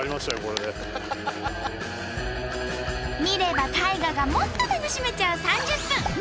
見れば大河がもっと楽しめちゃう３０分。